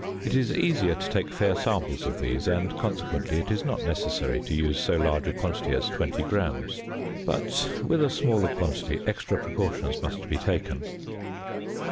It is easier to take fair samples of these, and, consequently, it is not necessary to use so large a quantity as 20 grams. But with a smaller quantity, extra precautions must be taken.